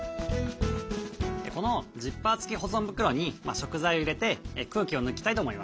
このジッパー付き保存袋に食材を入れて空気を抜きたいと思います。